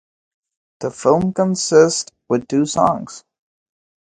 The film consist with two songs.